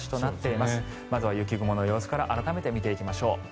まずは雪雲の様子から改めて見ていきましょう。